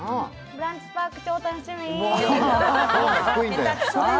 ブランチパーク、超楽しみ。